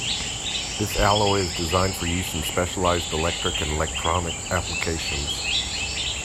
This alloy is designed for use in specialized electric and electronic applications.